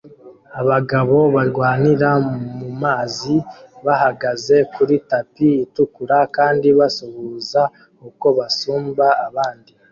Abagabo barwanira mu mazi bahagaze kuri tapi itukura kandi basuhuza uko basumba abandi